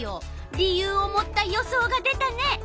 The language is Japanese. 理由を持った予想が出たね。